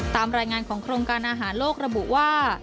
ตามรายงานของโครงการอาหารโลกระบุว่า